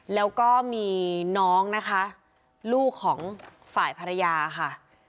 แล้วก็มีน้องนะคะลูกของฝ่ายภรรยาค่ะ